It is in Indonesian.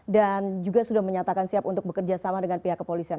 dan juga sudah menyatakan siap untuk bekerjasama dengan pihak kepolisian